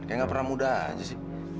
kayak gak pernah muda aja sih